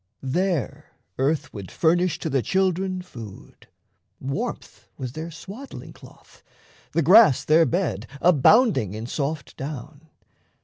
There earth would furnish to the children food; Warmth was their swaddling cloth, the grass their bed Abounding in soft down.